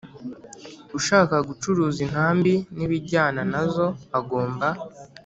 Ushaka gucuruza intambi n ibijyana nazo agomba